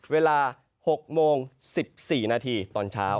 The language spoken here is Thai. เวลา๖โมง๑๔นาทีตอนเช้า